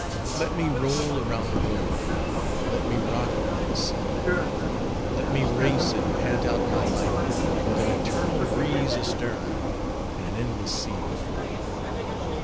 Let me roll around the globe, let me rock upon the sea; let me race and pant out my life, with an eternal breeze astern, and an endless sea before!